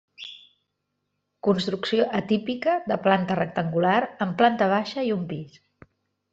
Construcció atípica, de planta rectangular, amb planta baixa i un pis.